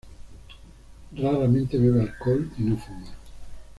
Raramente bebe alcohol y no fuma.